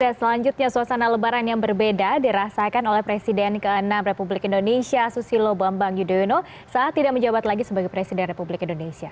dan selanjutnya suasana lebaran yang berbeda dirasakan oleh presiden ke enam republik indonesia susilo bambang yudhoyono saat tidak menjabat lagi sebagai presiden republik indonesia